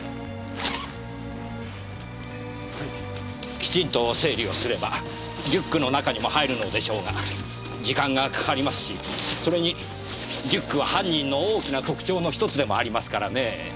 きちんと整理をすればリュックの中にも入るのでしょうが時間がかかりますしそれにリュックは犯人の大きな特徴の１つでもありますからねぇ。